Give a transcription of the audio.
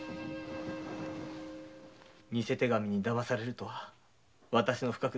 偽手紙に騙されるとは私の不覚。